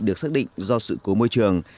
được xác định do sự cố môi trường